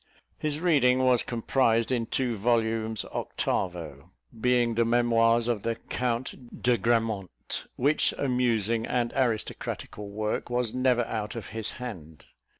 His reading was comprised in two volumes octavo, being the Memoirs of the Count de Grammont, which amusing and aristocratical work was never out of his hand.